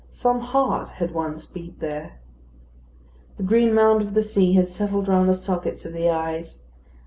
Some heart had once beat there. The green mould of the sea had settled round the sockets of the eyes.